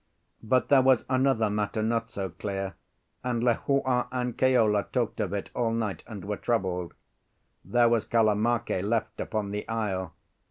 But there was another matter not so clear, and Lehua and Keola talked of it all night and were troubled. There was Kalamake left upon the isle.